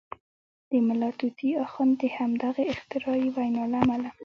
د ملا طوطي اخند د همدغې اختراعي وینا له امله.